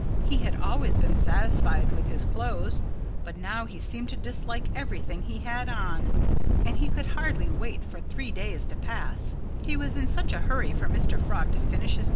He had always been satisfied with his clothes. But now he began to dislike everything he had on. And he could hardly wait for three day to pass, he was in such a hurry for Mr. Frog to finish his new suit.